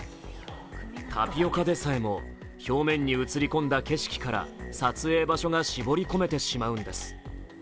タピオカでさえも、表面に映り込んだ景色から撮影場所が絞り込めてしまうんです。